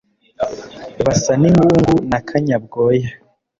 Basa ningungu na kanyabwoya